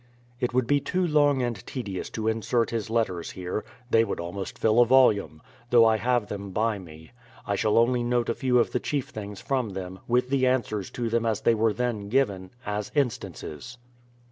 It would be too long and tedious to insert his letters here — they would almost fill a volume — though I have them by me, I shall only note a few of the chief things from them, with the answers to them as they were then given, as instances.